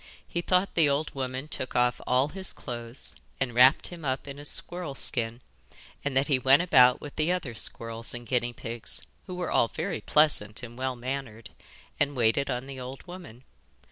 He thought the old woman took off all his clothes and wrapped him up in a squirrel skin, and that he went about with the other squirrels and guinea pigs, who were all very pleasant and well mannered, and waited on the old woman.